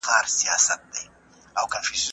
هغه وويل چي کتابتون ارام دی!